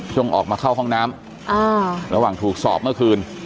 ออกมาเข้าห้องน้ำระหว่างถูกสอบเมื่อคืน